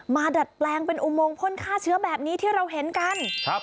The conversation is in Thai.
ดัดแปลงเป็นอุโมงพ่นฆ่าเชื้อแบบนี้ที่เราเห็นกันครับ